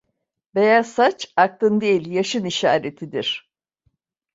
Beyaz saç, aklın değil yaşın işaretidir.